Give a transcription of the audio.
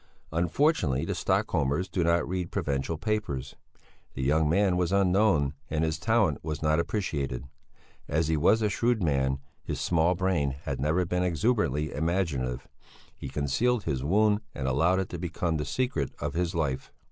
Unfortunately the Stockholmers do not read provincial papers. The young man was unknown and his talent was not appreciated. As he was a shrewd man his small brain had never been exuberantly imaginative he concealed his wound and allowed it to become the secret of his life.